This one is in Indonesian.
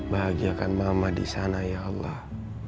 bahagiakan mama di sana ya allah